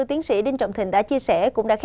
tiến sĩ đinh trọng thịnh đã chia sẻ cũng đã khép lại